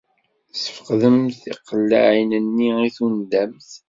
Sfeqdemt tiqellaɛin-nni i tundamt.